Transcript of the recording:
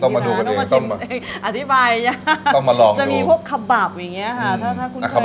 ต้องมาดูกันเองต้องมาชิมอธิบายอย่างนี้จะมีพวกขบับอย่างนี้ค่ะถ้าคุณเคยขบับ